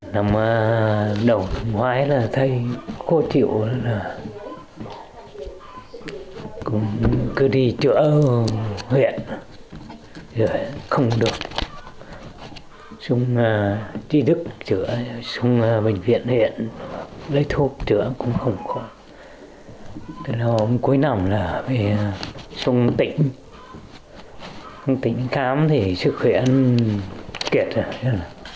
sông tỉnh sông tỉnh khám thì sức khỏe ăn kiệt rồi